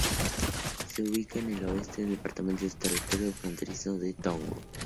Se ubica en el oeste del departamento y su territorio es fronterizo con Togo.